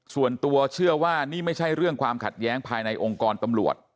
ส่วนตัวเชื่อว่านี่ไม่ใช่เรื่องความขัดแย้งภายในองค์กรตำรวจ